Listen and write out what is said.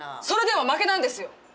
それでは負けなんですよ！